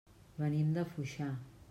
Venim de Foixà.